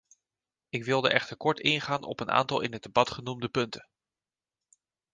Ik wilde echter kort ingaan op een aantal in het debat genoemde punten.